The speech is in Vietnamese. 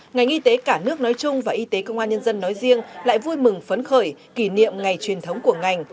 ngành y tế cả nước nói chung và y tế công an nhân dân nói riêng lại vui mừng phấn khởi kỷ niệm ngày truyền thống của ngành